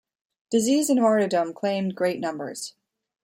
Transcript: Disease and martyrdom claimed great numbers.